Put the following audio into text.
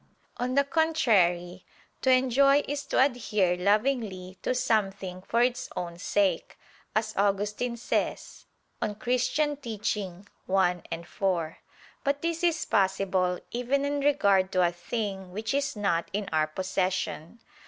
On the contrary, "to enjoy is to adhere lovingly to something for its own sake," as Augustine says (De Doctr. Christ. i, 4). But this is possible, even in regard to a thing which is not in our possession.